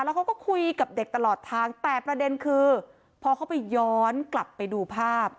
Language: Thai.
แล้วเขาก็คุยกับเด็กตลอดทางแต่ประเด็นคือพอเขาไปย้อนกลับไปดูภาพ